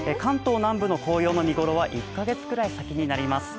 関東南部の紅葉の見頃は１カ月ぐらいさきになります。